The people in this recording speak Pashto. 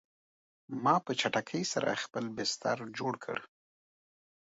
ما په چټکۍ سره خپل بستر جوړ کړ